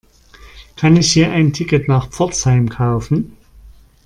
Kann ich hier ein Ticket nach Pforzheim kaufen?